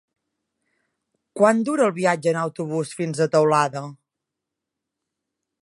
Quant dura el viatge en autobús fins a Teulada?